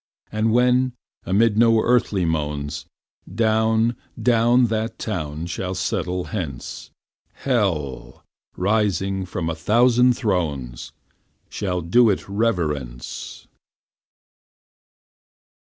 And when, amid no earthly moans, Down, down that town shall settle hence, Hell, rising from a thousand thrones, Shall do it reverence.